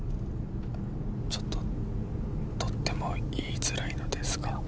ちょっととっても言いづらいのですが。